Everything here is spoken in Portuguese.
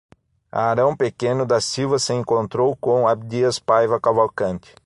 Aarão Pequeno da Silva se encontrou com Abdias Paiva Cavalcante